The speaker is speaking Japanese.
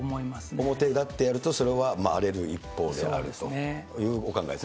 表立ってやるとそれは荒れる一方であるというお考えですか？